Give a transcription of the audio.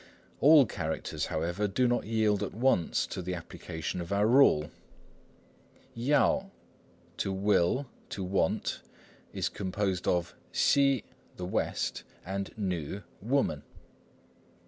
All characters, however, do not yield at once to the application of our rule. 要 yao "to will, to want," is composed of 西 "west" and 女 "woman."